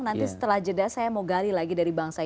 nanti setelah jeda saya mau gali lagi dari bangsa